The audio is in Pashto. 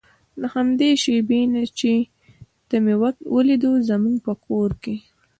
له همدې شېبې نه چې ته مې ولیدې زموږ په کور کې.